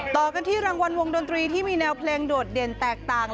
ต่อกันที่รางวัลวงดนตรีที่มีแนวเพลงโดดเด่นแตกต่าง